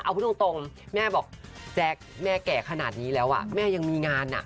เอาพูดตรงแม่บอกแจ๊คแม่แก่ขนาดนี้แล้วแม่ยังมีงาน